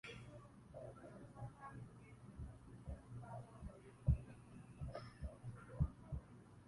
এখানে তৃতীয় দেশের নাগরিকদের জন্য একটি কাস্টম ও সীমান্ত চৌকি রয়েছে।